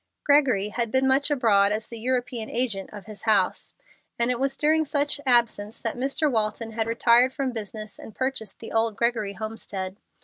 Gregory had been much abroad as the European agent of his house, and it was during such absence that Mr. Walton had retired from business and purchased the old Gregory homestead.